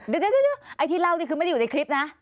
เดี๋ยวไอ้ที่เล่านี่คือไม่ได้อยู่ในคลิปนะ